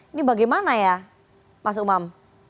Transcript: ini bagaimana ya mas umam